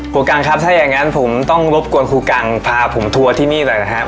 กังครับถ้าอย่างนั้นผมต้องรบกวนครูกังพาผมทัวร์ที่นี่หน่อยนะครับ